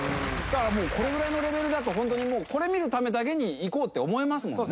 これぐらいのレベルだとホントにこれ見るためだけに行こうって思いますもんね。